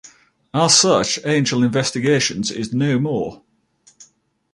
As such, Angel Investigations is no more.